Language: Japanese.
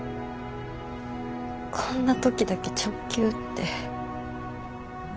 こんな時だけ直球って。